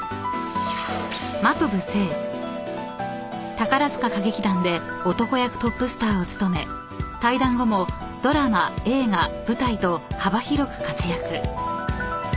［宝塚歌劇団で男役トップスターを務め退団後もドラマ映画舞台と幅広く活躍］